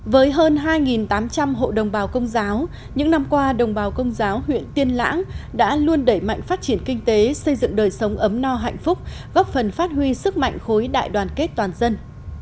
với hơn hai tám trăm linh hộ đồng bào công giáo những năm qua đồng bào công giáo huyện tiên lãng đã luôn đẩy mạnh phát triển kinh tế xây dựng đời sống ấm no hạnh phúc góp phần phát huy sức mạnh khối đại đoàn kết toàn dân